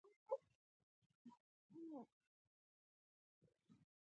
احمد شاه بابا د دښمن پر وړاندي قوي دریځ غوره کړ.